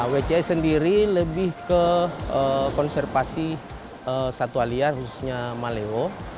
wcs sendiri lebih ke konservasi satwa liar khususnya malewo